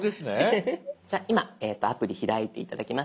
じゃあ今アプリ開いて頂きました。